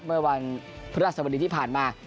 เมื่อวันพฤษฎาสมดิตที่ผ่านมา